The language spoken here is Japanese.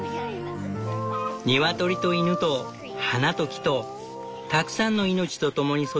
ニワトリと犬と花と木とたくさんのいのちと共に育つテューダー